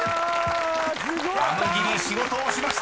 あむぎり仕事をしました！］